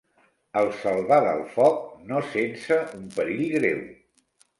El salvà del foc no sense un perill greu.